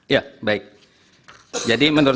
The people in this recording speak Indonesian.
ya baik jadi menurut